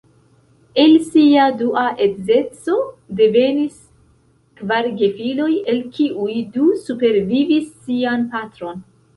El sia dua edzeco devenis kvar gefiloj, el kiuj du supervivis sian patron.